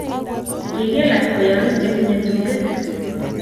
Kiki lach kweyonik che tinyei tugek